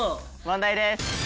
問題です。